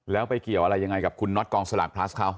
แล้วไปเกี่ยวอะไรยังไงกับคุณน็อตกองสลากพลัสเขา